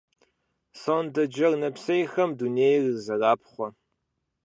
Сондэджэр нэпсейхэм дунейр зэрапхъуэ.